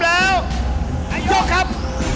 แล้วอะไรดีโครงขุมละครับ